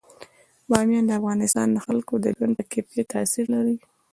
بامیان د افغانستان د خلکو د ژوند په کیفیت تاثیر لري.